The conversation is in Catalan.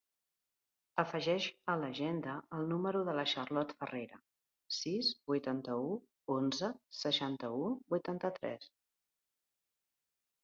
Afegeix a l'agenda el número de la Charlotte Ferrera: sis, vuitanta-u, onze, seixanta-u, vuitanta-tres.